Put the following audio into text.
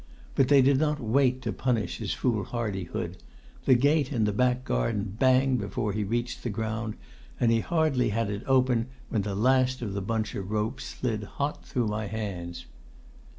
But they did not wait to punish his foolhardihood; the gate into the back garden banged before he reached the ground, and he hardly had it open when the last of the bunch of ropes slid hot through my hands.